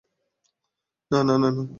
না না না না না।